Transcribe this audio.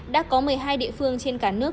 đã có một mươi hai địa phương trên cả nước